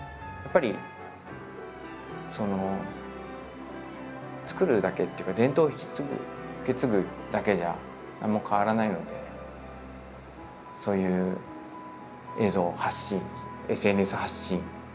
やっぱりその作るだけっていうか伝統を引き継ぐ受け継ぐだけじゃ何も変わらないのでそういう映像を発信ＳＮＳ発信